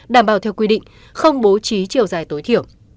đảm bảo theo quy định không bố trí chiều dài tối thiểu